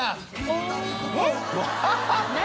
えっ？